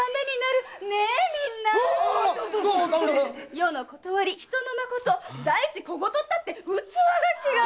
世の理人のまこと第一小言ったって器が違う！